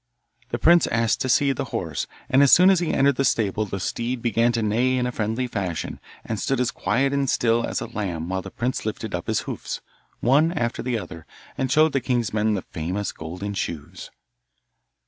The prince asked to see the horse, and as soon as he entered the stable the steed began to neigh in a friendly fashion, and stood as quiet and still as a lamb while the prince lifted up his hoofs, one after the other, and showed the king's men the famous golden shoes.